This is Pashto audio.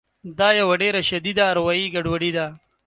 دا یوه ډېره شدیده اروایي ګډوډي ده